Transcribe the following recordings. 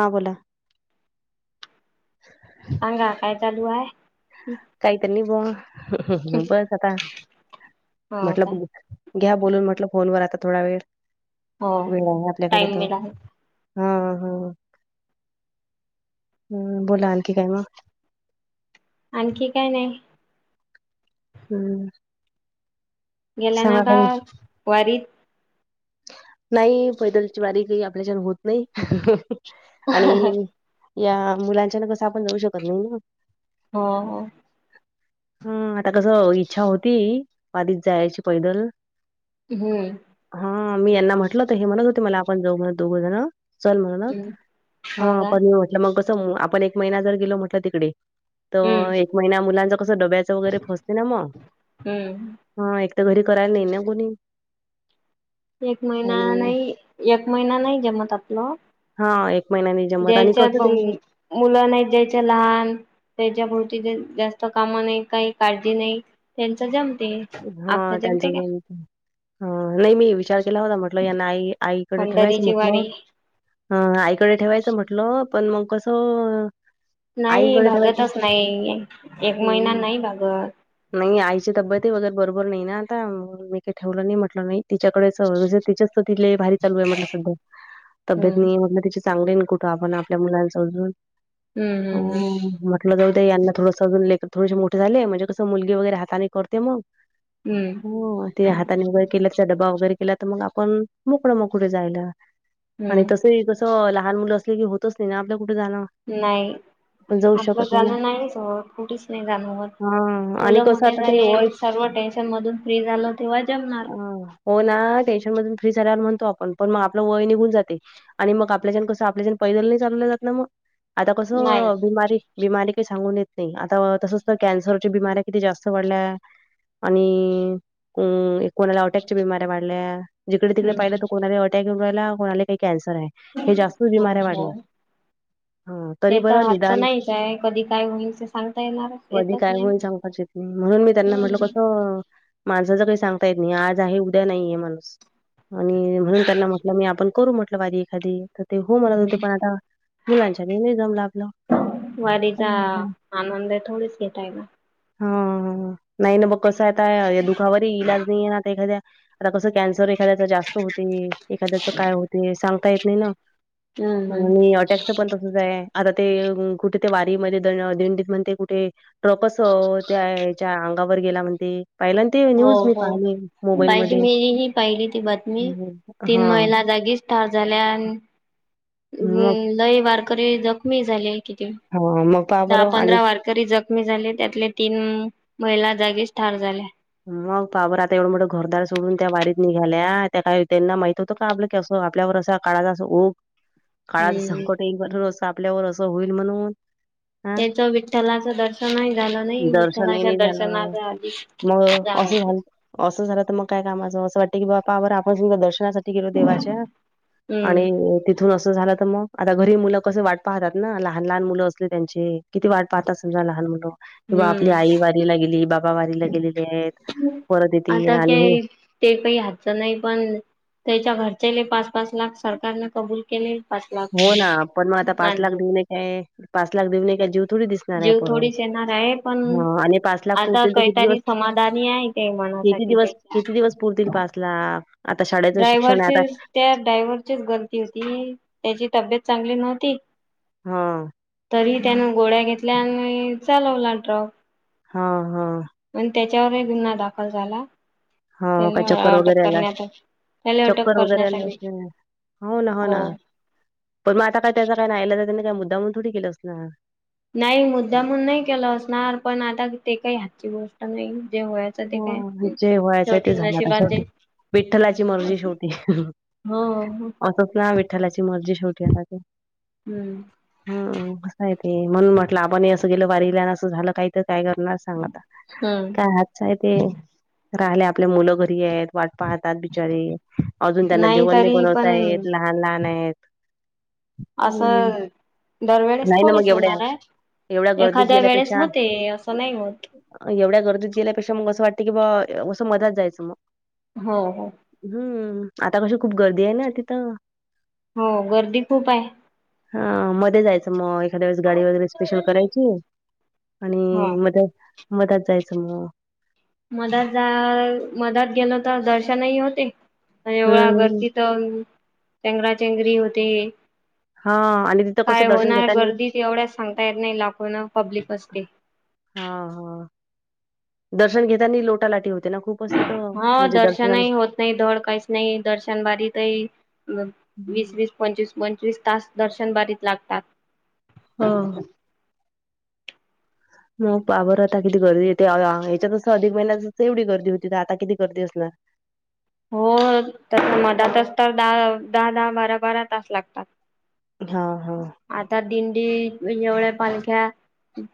हां बोला. [unintelligible] सांगा काय चालू हाय? काहीतरी नीबवा, [unintelligible] हो म्हटलं काय बघू. घ्या बोलून म्हटलं फोनवर आता थोडा वेळ, हो वेळ आहे आपल्याकडे टाइम तर. मिळाला हा हा, ह बोला आणखी काय मग? आणखी काय नाही. हम्म. गेल्या सांगा नाय का, काही वारीत. नाही पैदलची वारी काही आपल्याच्यान होत नाही, हो आणि या मुलांच्या ना कसं आपण जाऊ शकत नाही ना. हा हा. [inaudible] हा आता कसं इच्छा होती, वाधीत जायची पैदल. हम्म. हा मी यांना म्हटल होतं हे म्हणत होते मला आपण जाऊ म्हणत दोघं जण. चल म्हणत, हम्म हो हा का पण मी म्हटलं मग कसं आपण एक महिना जर गेलो म्हटल तिकडे हम्म तर एक महिना मुलांच कसं डब्याचं वगैरे फसते ना मग. हम्म हा एक तर घरी करायला नाही ना कोणी. एक महिना आणि नाही, एक महिना नाही जमत आपलं. हा एक महिन्याने जमत आणि ज्याच्या कसं ते मुलं नाही द्यायच्या लहान. त्याच्या भावती जास्त कामं नाही काही काळजी नाही, त्यांच जमते. हा आपलं त्यांच जमते का जण, हा नाही मी विचार केला होता म म्हंटलं यांना आई आईकडे ठेवायचं पंढरीची वारी म्हटलं. हं आईकडे ठेवायचं म्हटलं पण मग कसं. नाही आईकडे ठेवायचं भागतच नाही, एक महिना हं. नाही भागत. नाही आईची तब्येतही वगैरे बरोबर नाही ना आता मी काही ठेवलं नाही म्हटलं नाही. तच्याकडेच तिच्याच [unintelligible] तिले भारी चालू आहे म्हटल सध्या, तब्येत हम्म म्हटलं तिची चांगले कुठं आपण आपल्या मुलां समजून, हम्म हम्म हो मट जाऊदे यांना थोडं सजून लेकर थोडेसे मोठे झाले म्हणजे कसं मुलगी वगैरे हाताने करते मग. हम्म हम्म हो ते हाताने वगैरे केल्याच डबा वगैरे केला तर मग आपण मोकळ मोकळ जायला, आणि हम्म. तस हि कस लहान मुलं असली की हो च नाही ना आपला कुठं जान. नाही. आपलं जाण नाहीच होत कुठेच नाही जाण, हां. आणि मुलं कसं मोठ्या आता झा ते ले वय सर्व टेन्शन मधून फ्री झालो तेव्हा जमणार. हां. हो ना टेन्शन मधून फ्री झाल्या वर म्हणतो आपण पण मग आपलं वय निघून जाते. आणि मग आपल्याच्यान कसं आपल्याच्यान पैदल नाही चालवलं जात ना मग. आता नाही. कसं बिमारी, बिमारी काही सांगून येत नाही आता तसच तर कॅन्सरच्या बिमऱ्या किती जास्त वाढल्या, आणि, कोणाला अटॅकच्या बिमऱ्या वाढल्या. जिकडे तिकडे पाहिलं तर हम्म कोणाला अटॅक येऊन राहिला कोणाला काही कॅन्सर आहे, हे जास्तच हो बिमाऱ्या हो वाढल्या. हां, तरी ते बरं तर आता निदान नाय काय कधी काय होईल ते सांगता येणारच कधी येतच काय नाही होईल ना. सांगताच येत म्हणून मी त्यांना म्हटलं हम्म कसं माणसाचं काही सांगता येत नाही आज आहे उद्या नाहीय माणूस. आणि म्हणून त्यांना म्हटलं मी आपण करू म्हटलं वारी एखादी. तर ते हो मला पण हम्म. आता, मुलांच्या नाही जमल आपल, वारीचा हम हम. आनंद आहे थोडीच घेता येणार. हा नाही ना बघ कसं आहेता या दुखावर इलाज नाही ना एखाद्या, तर कस कन्सर एखाद्या जास्त हो ते एखाद्याच काय होते सांगता येत नाही ना, हम्म हम्म आणि अटॅकचं पण तसच आहे. आता ते कुठे ते वारीमध्येध्ये दिंडीत म्हण ते कुठे ट्रकच त्याच्या अंगावर गेला म्हणते पहिला हो हो पाहिजे मरी ही पाहिली ती बातमी हम्म. तीन हा महिला जागीच ताजल्यान अ मग लय वारकरी जखमी झाले किती हा मग पहा दहा बरं आणि पंधरा वार री जखमी झाले त्यातले तीन महिला जागीच ठार झाल्या मग पाबर आता एवढं मोठं घोरदार सोडून त्या वारीत निघाल्या त्या काय त्यांना माहित होतं का आपलं असं आपल्यावर असं काळाचा अस ओघ काळाच हम्म संकट येईल म्हण असं आपल्यावर असं होईल म्हणून हा त्याच विठ्ठलाचं दर्शनही झालं नाही दर्शनही विठ्ठलाच्या नाही झालं दर्शनाच्या आधी मग जागा असं झा असं झालं तर मग काय कामाचं असं वाटत की बापा आर आपण स दर्शना ल देवाच्या हम्म आणि तिथून असं झालं तर मग आता घरी मुलं कस वाट पाहतात ना लहान लहान मुलं असले त्यांची किती वाट पाहताात समजा लहान मुण कि बा आपली हम्म आई वारीला गेली बाबा वारीला गेलेली आहेत पररतेत आता आणि काय ते काही हातच नाही पण त्याच्या घरचेले पाच पाच लाख सरकारने कबूल केले पाच लाख म अ पाच लाख देऊ नाही काय जूत थोडी दिसणार आहे जीव परत थोडीच येणार आहे पण ह आणि पाच लाख आता पुरतील तर किती काहीतरी दिवस समाधानी आहे ते किती मनासाठी दिवस त्याच्या किती दिवस पुरतील पासला आता शाळेचं शिक्षण आहे ड्रायव्हरची आता त्या ड्रायव्हरचीच गलती होती त्याची तब्येत चांगली नव्हती हा तरी त्याने गोळ्या घेतल्या आणि चालवला टड्रक हो हो मण त्याच्यावरही गुन्हा दाखल झाला हो काय त्याला चक्कर अटक वगैरेला करण्यात आली. त्याला अटक चक्कर करण्यात वगैरेलाच आली हो ना हो ना पण मग आता काय त्याच काय नाही आला तर त्यानी त्या मुद्दामण थोडी केलं होत ना नाही मुद्दा म्हून नाही केला असणार पण आता ते काही हातची गोष्ट नाही जे वयात ह जे व्हायचंय ते झाला त्या जे शेवटी विठ्ठलाची असते मर्जी ेवटी हो हो असंच ना विठ्ठ त्यालाची मर्जी शेवटी आ हम्म हम् असय ते म्हणून म्हट आपण असं गेल वारीलान असं झालं काही तर काय करणार ांग हम्म काय आहे ते राहिले आपल्या मुलं घरी आहेत वाट पाहतात बिचारी अजून त्यांना जीवन नाही तरी पण बनवता य लहान लहान आहेत हम्म असं दरवेळेस नाही ना मग थोडीच एवढ्या होणार आहे एवढ्या गर्दीत एखाद्या वेळेस गेल्यापेक्षा होते असं नाही होत एवढ्या गर्दीत गेल्यापेक्षा मग असं वाटत की बा असं मधाच जायचं मग हो हो हम्म आता कशी खूप गर्दी आहे ना तिथं हो गर्दी खूप आहे हा मध्ये जायचं मग द्या वेळेस गाडी वगैरे स्पेशल करायची आणि हा. म मधत जायचं मग मदत जा मदत गेल तर दर्शनही होते एवढं अगर हम्म त चंगराचेंगरी होते हा आणि तिथं कसं काय दर्शन होणार घेतानी गर्दी एवढ्याच सांगता येत नाही लाखोना पब्लिक असते हा हा दर्शन घेताना लोटा लाटी होते ना खूप हा दर्शनही होत नाही धड काहीच नाही दर्शन बारी तरही वीस वीस पंचवीस पंचवीस तास दर्शन बारीत लागतात हो! मग पहाबर आता किती गर्दीे येते ह्याच्यातच अधिक महिन्यातसं एवढी गर्दी होती आता किती गर्दी असणार. हो तस मठातच तर दहा दहा दहा बारा बारा तास लागतात. हा हा! आता दिंडी एवढ्या पालख्या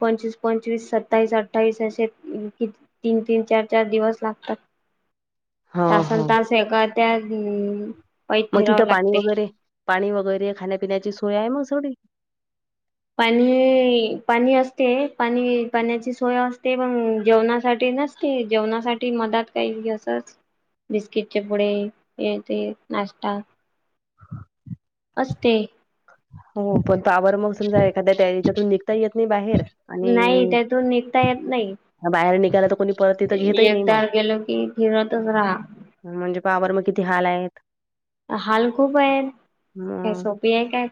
पंचवीस पंचवीस सत्तावीस अठ्ठावीस असशे किती तीन तीन चार चार दिवस लागतात. हा हा तासनतास एका त्या पायी मग फिरावं तिथं पाणी लागते वगैरे पाणी वगैरे खाण्यापिण्याची सोय आहे मग सगळी? पाणी पाणी असते पाणी पाण्याची सोय असते पण जेवणासाठी नस ते जेवणासाठी मदत काही असच बिस्किटचे पुडे हे ते नाष्टा! [inaudible] असते. हो पण पावर मग समजा एखाद्या त्या हच्यातून निघता येत नाही बाहेर नाही आणि त्यातून निघता बाहेर निघाला तर कोणी परत तिथं घेतही नाही मग एकट्यावर गेलो की फिरतच राहा म्हणजे पाहाबर मग किती हाल आहेत. हाल खूप आहेत काय मग सोपी आहे काय?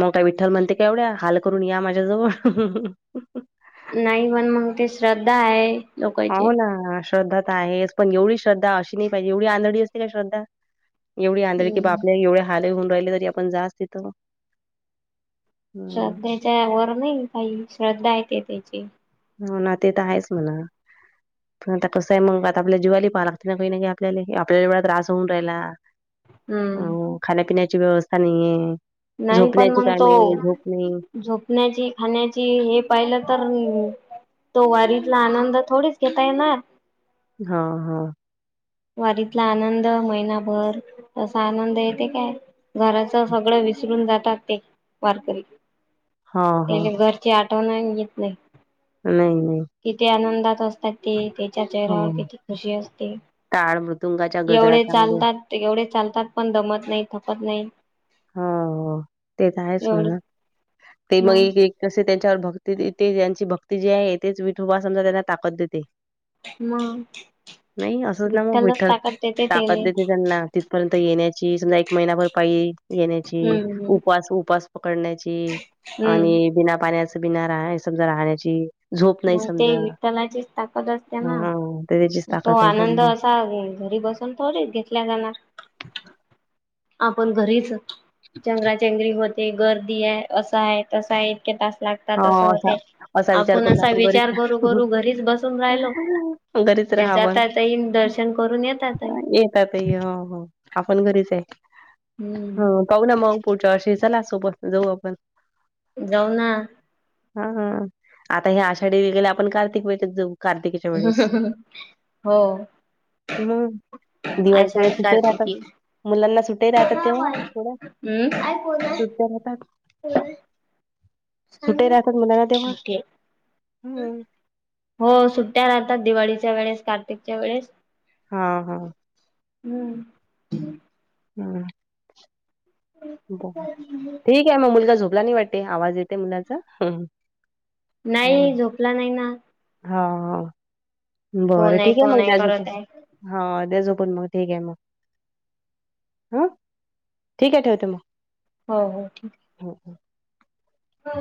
मग काय विठ्ठल म्हणते का एवढ्या हाल करून या माझ्याजवळ? नाही पण मग ते श्रद्धा आहे! लोकांची. हो ना श्रद्धा तर आहेच पण एवढी श्रद्धा अशी नाही पाहिजे एवढी अनाडी असते काय श्रद्धा! एवढी आंधळी कि बापरे हम्म. आपल्या एवढे हाल होऊन राहिले तरी आपण जासच तिथ. श्रद्धेच्या वर नाही काई श्रद्धा येते त्याची हो ना ते तर आहेच म्हणा. आता कसं आहे मग आता आपल्या जीवाला ही पहाय लागते ना काही ना काही आपल्याला आपल्याला बी एवढा त्रास होऊन राहिला. हम्म. हो खाण्यापिण्याची व्यवस्था नाही, नाही पण झोपण्याची मग काय तो मि झोप नाय. झोपण्याची खाण्याची हे पाहिलं तर तो वारीतला आनंद थोडीच घेता येणार! हा हा! वारीतला आनंद महिनाभर तसा आनंद येते काय? घराच सगळं विसरून जातात ते वारकरी. हा हा त्यांना घरची आठवण येत नाही. नाही नाही! किती आनंदात असतात ते त्याच्या चेहऱ्यावर हो किती खुशी असते. टाळ मृतुंगाच्या गजरा चांगले ते एवढे चालतात पण दमत नाही थकत नाही. हो ते तर आहेच एवढे म्हणा ते मग एक एक तसे त्यांच्यावर भक्ती ते त्याची भक्ती जी आहे तेच विठुबा समजा त्यांना ताकद देते. मग! नाही असंच ना मग विठ्ठलच विठ्ठल ताकद देते ताकद त्याले देते त्यांना तिथपर्यंत येण्याची समजा एक महिनाभर पाई येण्याची हम्म हम्म उपास उपास पकडण्याची हम्म आणि बिना पाण्याच बिना राह समजा राहण्याची. झोप नाही मग ते समजा विठ्ठलाचीच ताकद असते ना हा तर त्याचीच ताकद तो आहे आनंद समजा असा घरी बसून थोडीच घेतल्या जाणार, आपण घरीच चेगराचेंगरी होते गर्दी आहे असं आहे तसं आहे इतके तास लाग तात हो आस असा होते. असा विचार आपण करून असा विचार करू करू घरीच घरीच बसून राहिलो घरीच ते राहावं जाताईन द करून येतात आपण घरीच आहे हम्म पाह ना मग पुढच्या वर्ष चला सोबत जाऊ आपण जाऊ ना हा आता ह आषाढी वेगेला आपण कार्तिक वेचत जाऊ कार्तिक स हो हम् दिवाळीच्या वेळेस आषाढी तिथे राहतात कार्तिकी मुलांना सुट्ट्या राहतात तेव्हा थोड्या सुटत्या राहतात ह सुटे राहतात मुलाना तेव्हा ओके हम् हो सुट्ट्या राहतात दिवाळीच्या वेळेस कार्तिकच्या वेळेस हा हा हम्म हम ब ठीक आहे मग मुलगा झोपला नाही वाटते आवाज येते मुलाचा नाही हा झोपला नाही ना हा बरं कोण ठीक आहे कोण मग दचत करत आहे हा त्याचो पण मग ठीक आहे मग हां ठीक आहे ठेवतें मग हो हो ठीक आहे ह हम हो